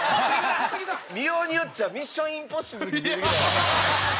見ようによっちゃ『ミッション：インポッシブル』に見えてきたわ。